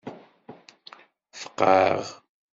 Feqɛeɣ.